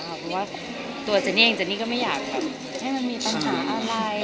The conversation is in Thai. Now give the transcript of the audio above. เพราะว่าตัวเจนนี่เองเจนนี่ก็ไม่อยากแบบให้มันมีปัญหาอะไร